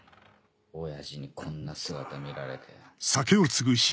親父にこんな姿見られて。